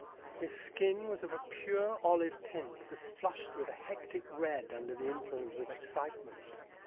His skin was of a pure olive tint that flushed with a hectic red under the influence of excitement.